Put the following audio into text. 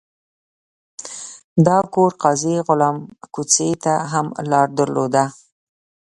دا کور قاضي غلام کوڅې ته هم لار درلوده.